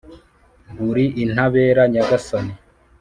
uri intabera, nyagasani!